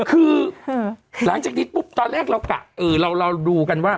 คือหลังจากนี้ปุ๊บตอนแรกเรากะเราดูกันว่า